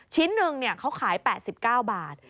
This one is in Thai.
ชิ้นหนึ่งเขาขาย๘๙บาท